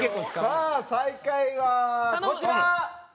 さあ最下位はこちら！